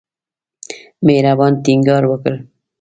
مهربان ټینګار وکړ.